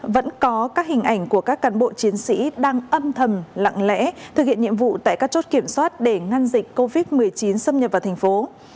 vẫn có các hình ảnh của các cán bộ chiến sĩ đang âm thầm lặng lẽ thực hiện nhiệm vụ tại các chốt kiểm soát để ngăn dịch covid một mươi chín xâm nhập vào thành phố